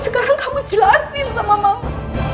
sekarang kamu jelasin sama mama